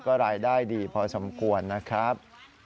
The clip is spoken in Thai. ก็รายได้ดีพอสมควรนะครับ